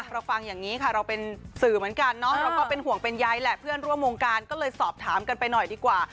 เราฟังอย่างนี้ค่ะเราเป็นสื่อเหมือนกันเนาะเราก็เป็นห่วงเป็นใยแหละเพื่อนร่วมวงการก็เลยสอบถามกันไปหน่อยดีกว่า